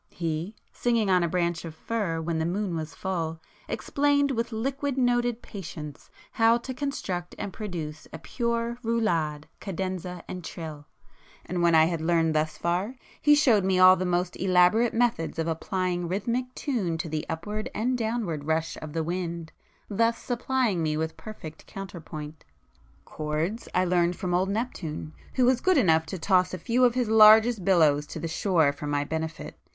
He, singing on a branch of fir when the moon was full, explained with liquid noted patience, how to construct and produce a pure roulade, cadenza and trill,—and when I had learned thus far, he showed me all the most elaborate methods of applying rhythmic tune to the upward and downward rush of the wind, thus supplying me with [p 155] perfect counterpoint. Chords I learned from old Neptune, who was good enough to toss a few of his largest billows to the shore for my special benefit.